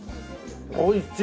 おいしい！